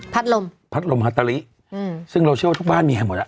ภัดลมภัดลมฮาตาลิอืมซึ่งเราเชื่อว่าทุกบ้านมีแห่งหมดอ่ะ